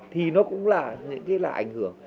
thì nó cũng là ảnh hưởng